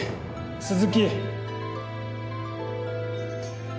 鈴木。